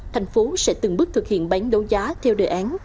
thành phố sẽ từng bước thực hiện bán đấu giá theo đề án